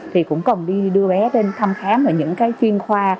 thì cũng cần đi đưa bé đến thăm khám ở những cái chuyên khoa